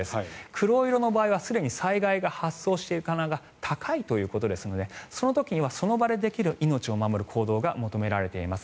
黒色の場合はすでに災害が発生している可能性が高いということでその時にはその場でできる命を守る行動が求められています。